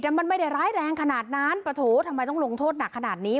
แต่มันไม่ได้ร้ายแรงขนาดนั้นปะโถทำไมต้องลงโทษหนักขนาดนี้